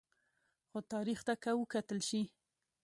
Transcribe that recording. خو تاریخ ته که وکتل شي